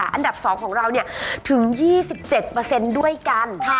อันดับ๒ของเราถึง๒๗ด้วยกัน